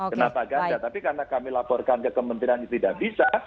kenapa ganda tapi karena kami laporkan ke kementerian itu tidak bisa